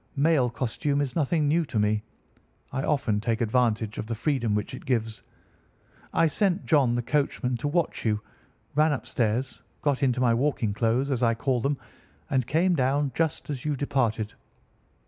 Male costume is nothing new to me. I often take advantage of the freedom which it gives. I sent John, the coachman, to watch you, ran upstairs, got into my walking clothes, as I call them, and came down just as you departed.